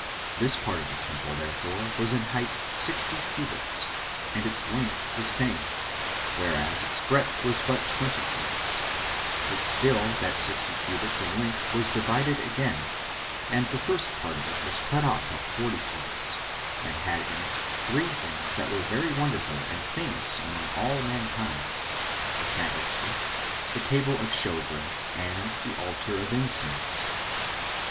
This part of the temple therefore was in height sixty cubits, and its length the same; whereas its breadth was but twenty cubits: but still that sixty cubits in length was divided again, and the first part of it was cut off at forty cubits, and had in it three things that were very wonderful and famous among all mankind, the candlestick, the table [of shew bread], and the altar of incense.